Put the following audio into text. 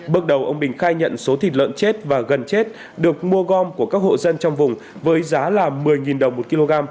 bước đầu ông bình khai nhận số thịt lợn chết và gần chết được mua gom của các hộ dân trong vùng với giá là một mươi đồng một kg